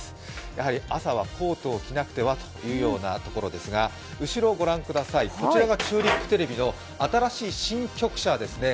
やはり朝はコートを着なくてはというところでずか、後ろをご覧ください、こちらがチューリップテレビの新しい新局舎ですね。